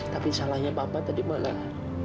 tapi salahnya papa tadi malah